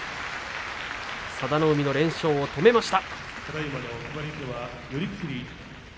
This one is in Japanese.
佐田の海の連勝を止めました。